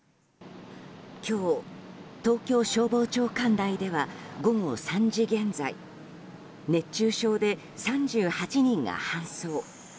今日、東京消防庁管内では午後３時現在熱中症で３８人が搬送。